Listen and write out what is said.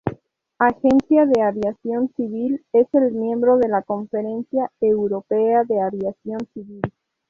Agencia de aviación civil es el miembro de la Conferencia Europea de Aviación Civil.